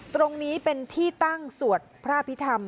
ตรงนี้เป็นที่ตั้งสวดพระพิธรรม